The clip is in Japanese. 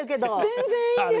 全然いいです。